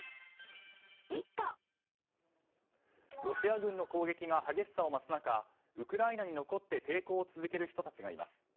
ロシア軍の攻撃が激しさを増す中ウクライナに残って抵抗を続ける人たちがいます。